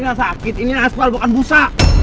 saya bantu bawa ke rumah sakit ini ya aspal bukan busa